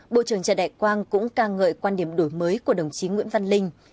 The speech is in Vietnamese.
bộ trưởng trần đại quang cũng ca ngợi quan điểm đổi mới của đồng chí nguyễn văn linh